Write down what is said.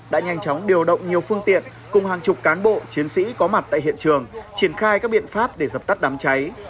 đã nhanh chóng điều động nhiều phương tiện cùng hàng chục cán bộ chiến sĩ có mặt tại hiện trường triển khai các biện pháp để dập tắt đám cháy